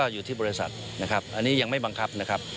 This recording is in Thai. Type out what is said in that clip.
อยู่ที่บริษัทนะครับอันนี้ยังไม่บังคับนะครับ